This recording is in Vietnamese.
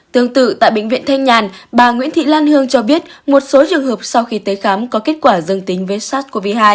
tương tự tại bệnh viện thanh nhàn bà nguyễn thị lan hương cho biết một số trường hợp sau khi tới khám có kết quả dương tính với sars cov hai